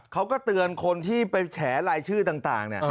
เขาก็เตือนคนที่ไปแฉลายชื่อต่าง